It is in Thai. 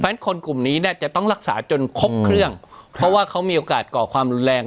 เพราะฉะนั้นคนกลุ่มนี้เนี่ยจะต้องรักษาจนครบเครื่องเพราะว่าเขามีโอกาสก่อความรุนแรง